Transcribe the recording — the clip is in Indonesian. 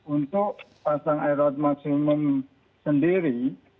untuk pasang air laut maksimum sendiri